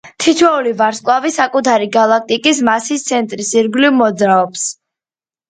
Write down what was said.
თითოეული ვარსკვლავი საკუთარი გალაქტიკის მასის ცენტრის ირგვლის მოძრაობს.